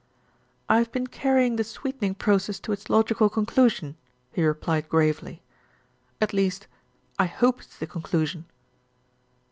"I've been carrying the sweetening process to its logical conclusion," he replied gravely, "at least, I hope it's the conclusion."